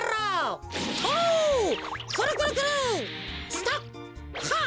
スタッ！